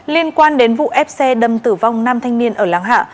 liên quan đến vụ ép xe đâm tử vong năm thanh niên ở láng hạ